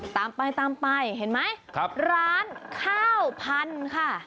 ตามไปตามไปเห็นไหมร้านข้าวพันธุ์ค่ะ